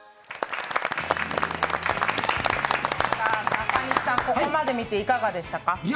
中西さん、ここまで見ていかがでしたか？